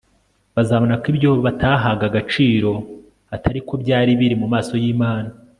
bazabonako ibyo batahaga agaciro atari ko byari biri mu maso y'imana